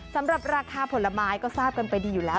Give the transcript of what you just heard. สำหรับราคาผลไม้ก็ทราบกันไปดีอยู่แล้ว